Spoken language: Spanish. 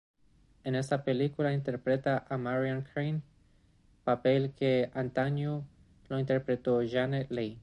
En esta película interpreta a Marion Crane, papel que antaño lo interpretó Janet Leigh.